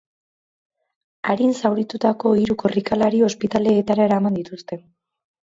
Arin zauritutako hiru korrikalari ospitaleetara eraman dituzte.